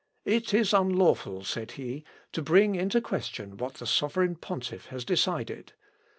"It is unlawful," said he, "to bring into question what the sovereign pontiff has decided.